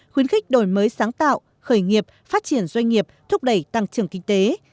khuyến khích đổi mới sáng tạo khởi nghiệp phát triển doanh nghiệp thúc đẩy tăng trưởng kinh tế